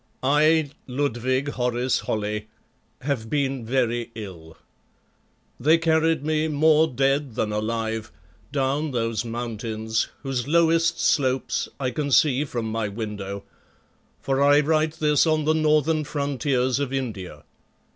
I, Ludwig Horace Holly, have been very ill; they carried me, more dead than alive, down those mountains whose lowest slopes I can see from my window, for I write this on the northern frontiers of India.